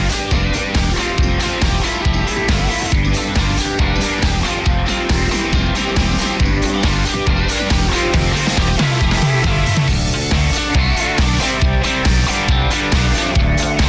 เฮ้ยยตายแล้วตายแล้ว